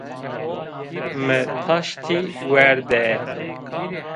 Mi taştî werde